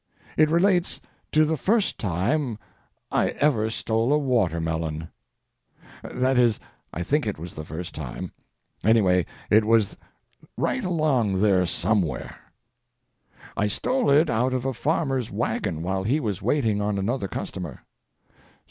It relates to the first time I ever stole a watermelon; that is, I think it was the first time; anyway, it was right along there somewhere. I stole it out of a farmer's wagon while he was waiting on another customer.